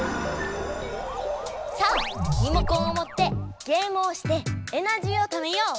さあリモコンをもってゲームをしてエナジーをためよう！